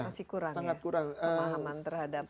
masih kurang ya pemahaman terhadap